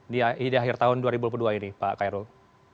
di akhir tahun dua ribu dua puluh dua ini pak kairul